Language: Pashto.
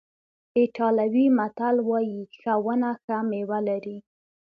ایټالوي متل وایي ښه ونه ښه میوه لري.